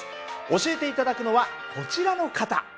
教えて頂くのはこちらの方。